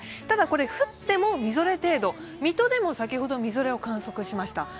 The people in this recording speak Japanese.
ただ降ってもみぞれ程度、水戸でも先ほどみぞれを観測しました。